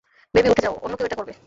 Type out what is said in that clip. Baby, উঠে যাও, অন্য কেউ এটা করবে!